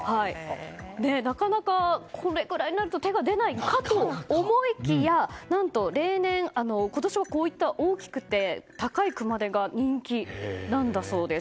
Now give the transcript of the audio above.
なかなか、これぐらいになると手が出ないかと思いきや何と、今年はこういった大きくて高い熊手が人気なんだそうです。